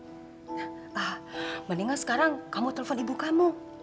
ah mendingan sekarang kamu telpon ibu kamu